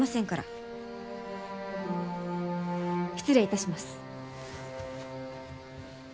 失礼いたします。